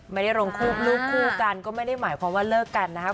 ไม่ได้ลงรูปคู่กันก็ไม่ได้หมายความว่าเลิกกันนะครับ